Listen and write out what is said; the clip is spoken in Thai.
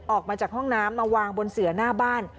ออกมาจากห้องน้ำมาวางบนเสือหน้าบ้าน